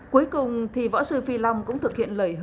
cuối cùng thì võ sư phi long cũng thực hiện lời hứa